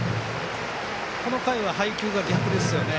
この回は配球が逆ですよね。